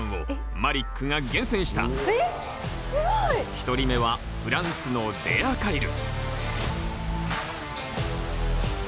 １人目はフランスのレア・カイル。